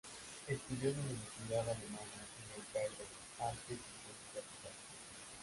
Estudió en la Universidad Alemana en El Cairo artes y ciencias aplicadas.